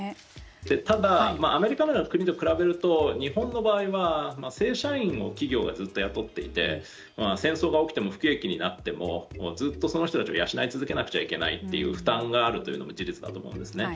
ただ、アメリカなどの国に比べると日本の場合は正社員を企業がずっと雇っていて戦争が起きても不景気になってもずっとその人たちを雇い続けなくちゃいけないという負担があるというのも事実だと思うんですね。